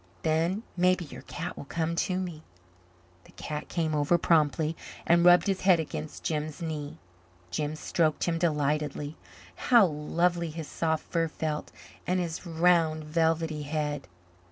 "Then maybe your cat will come to me." The cat came over promptly and rubbed his head against Jims' knee. Jims stroked him delightedly; how lovely his soft fur felt and his round velvety head.